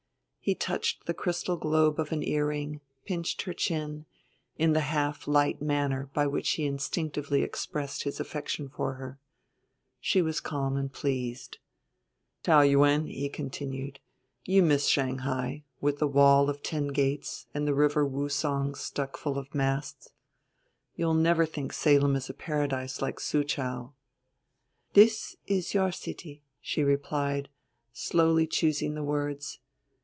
He touched the crystal globe of an earring, pinched her chin, in the half light manner by which he instinctively expressed his affection for her. She was calm and pleased. "Taou Yuen," he continued, "you miss Shanghai, with the wall of ten gates and the river Woosung stuck full of masts. You'll never think Salem is a paradise like Soochow." "This is your city," she replied, slowly choosing the words.